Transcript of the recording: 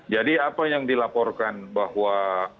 jadi apa yang dilaporkan bahwa